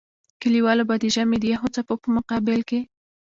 کلیوالو به د ژمي د يخو څپو په مقابل کې.